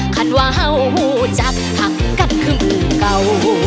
ขัดว่าเฮ้าหู้จักหักกับครึ่งเก่า